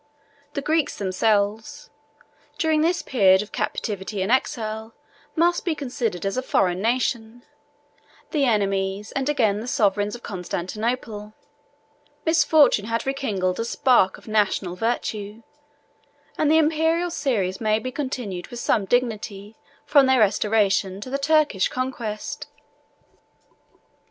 The Greeks themselves, during this period of captivity and exile, must be considered as a foreign nation; the enemies, and again the sovereigns of Constantinople. Misfortune had rekindled a spark of national virtue; and the Imperial series may be continued with some dignity from their restoration to the Turkish conquest.